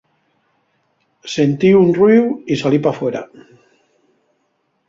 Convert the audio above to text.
Sentí un ruíu y salí p'afuera.